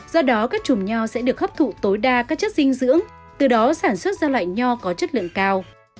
do đó các chùm nho sẽ được hấp thụ tối đa các chất dinh dưỡng từ đó sản xuất ra loại nho có chất lượng cao